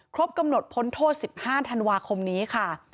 กำหนดพ้นโทษ๑๕ธันวาคมนี้ค่ะ